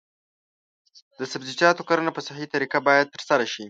د سبزیجاتو کرنه په صحي طریقه باید ترسره شي.